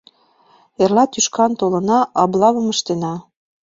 «Эрла тӱшкан толына, облавым ыштена.